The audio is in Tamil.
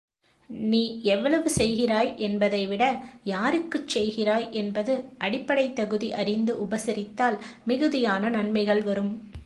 நீ எவ்வளவு செய்கிறாய் என்பதைவிட யாருக்குச் செய்கிறாய் என்பது அடிப்படை தகுதி அறிந்து உபசரித்தால் மிகுதியான நன்மைகள் வரும்.